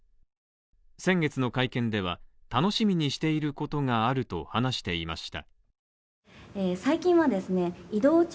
先月の会見では、楽しみにしていることがあると話していました。